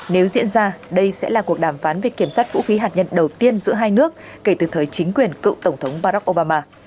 nếu diễn ra đây sẽ là cuộc đàm phán về kiểm soát vũ khí hạt nhân đầu tiên giữa hai nước kể từ thời chính quyền cựu tổng thống barack obama